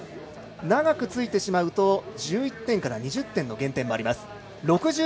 長くついてしまうと１１点から２０点の減点もあります。